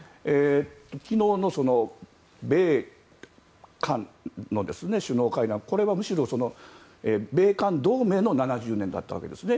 昨日の米韓の首脳会談は米韓同盟の７０年だったわけですね。